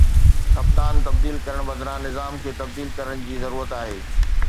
ڪپتان تبديل ڪرڻ بدران نظام کي تبديل ڪرڻ جي ضرورت آهي